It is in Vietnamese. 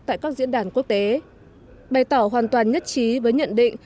tại các diễn đàn quốc tế bày tỏ hoàn toàn nhất trí với nhận định